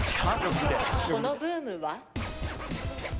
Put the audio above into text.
このブームは？